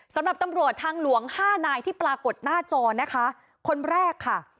สำหรับตำรวจทางหลวงห้านายที่ปรากฏหน้าจอนะคะคนแรกค่ะ